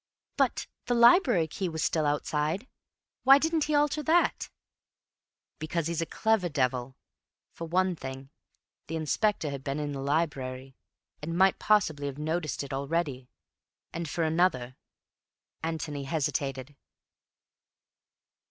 "But the library key was still outside. Why didn't he alter that?" "Because he's a clever devil. For one thing, the Inspector had been in the library, and might possibly have noticed it already. And for another—" Antony hesitated.